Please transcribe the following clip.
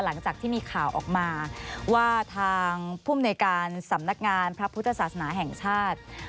หลังจากที่มีข่าวออกมาว่าทางภูมิในการสำนักงานพระพุทธศาสนาแห่งชาติ